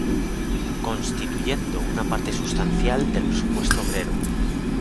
Constituyendo una parte sustancial del presupuesto obrero.